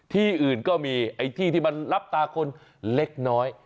ที่อื่นก็มีไอ้ที่ที่มันรับตาคนเล็กน้อย